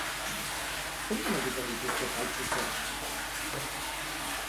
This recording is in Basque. Zelan egiten dituzte faltsutzeak?